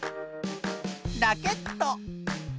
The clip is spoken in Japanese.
ラケット。